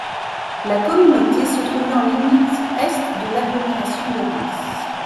La communauté se trouvait en limite est de l'agglomération de Reims.